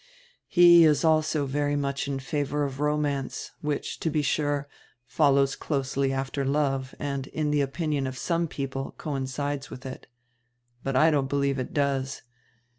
"He is also very much in favor of romance, which, to be sure, follows closely after love and, in the opinion of some people, coincides with it. But I don't believe it does.